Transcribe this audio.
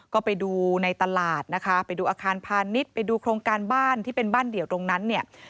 ก็ไปดูในตลาดนะคะไปดูอาคารพาณิชย์ไปดูโครงการบ้านที่เป็นบ้านเดี่ยวตรงนั้นเนี่ย